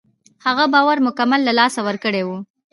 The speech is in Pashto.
هغه باور مکمل له لاسه ورکړی و.